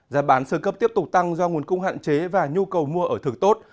giá bán sơ cấp tiếp tục tăng do nguồn cung hạn chế và nhu cầu mua ở thực tốt